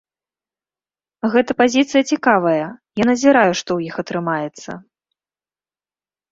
Гэта пазіцыя цікавая, я назіраю, што ў іх атрымаецца.